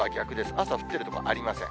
朝、降ってる所ありません。